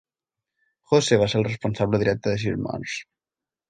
Jose va ser el responsable directe de sis morts.